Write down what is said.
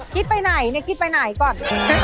คิดไปไหนคิดไปไหนก่อน